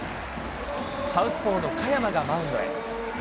サウスポーのかやまがマウンドへ。